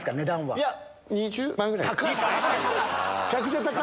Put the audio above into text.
いや、２０万ぐらい。